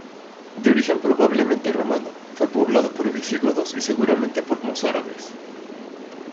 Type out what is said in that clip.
De origen probablemente romano, fue poblado por visigodos y seguramente por mozárabes.